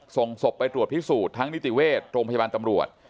ส่งศพไปตรวจพิสูจน์ทั้งนิติเวชโรงพยาบาลตำรวจ